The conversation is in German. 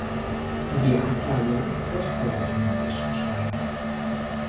Die Anlage wird vollautomatisch gesteuert.